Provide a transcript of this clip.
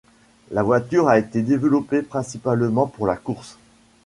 La voiture a été développée principalement pour la course.